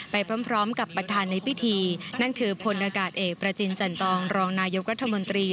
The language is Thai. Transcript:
ไปพร้อมกับประธานในพิธีนั่นคือพลอากาศเอกประจินจันตองรองนายกรัฐมนตรี